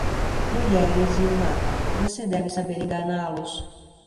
Mulheres e o mar, você deve saber enganá-los.